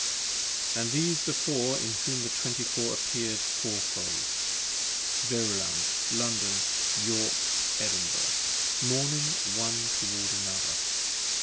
And these the Four in whom the twenty four appear'd four fold: Verulam, London, York, Edinburgh, mourning one towards another.